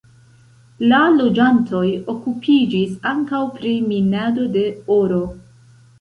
La loĝantoj okupiĝis ankaŭ pri minado de oro.